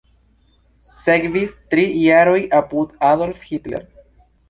Sekvis tri jaroj apud Adolf Hitler.